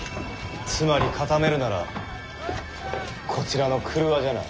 つまり固めるならこちらの曲輪じゃな。